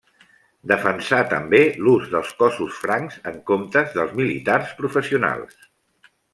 Defensà també l'ús dels cossos francs en comptes dels militars professionals.